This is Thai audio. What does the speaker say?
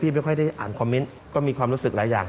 ไม่ค่อยได้อ่านคอมเมนต์ก็มีความรู้สึกหลายอย่าง